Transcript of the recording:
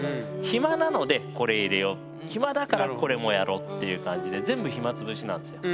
暇なのでこれ入れよ暇だからこれもやろっていう感じで全部暇つぶしなんですよ。